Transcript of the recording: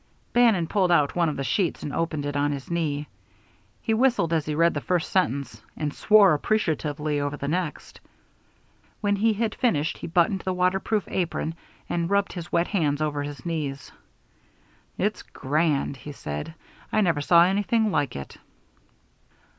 Bannon pulled out one of the sheets and opened it on his knee. He whistled as he read the first sentence, and swore appreciatively over the next. When he had finished, he buttoned the waterproof apron and rubbed his wet hands over his knees. "It's grand," he said. "I never saw anything like it."